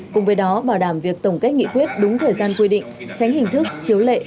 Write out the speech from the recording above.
cùng với đó bảo đảm việc tổng kết nghị quyết đúng thời gian quy định tránh hình thức chiếu lệ